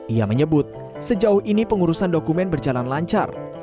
ia menyebut sejauh ini pengurusan dokumen berjalan lancar